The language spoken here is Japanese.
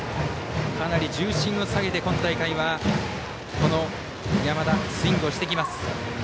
かなり重心を下げて今大会は山田スイングをしてきます。